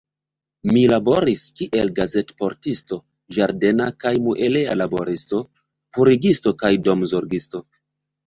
Mi laboris kiel gazetportisto, ĝardena kaj mueleja laboristo, purigisto kaj domzorgisto.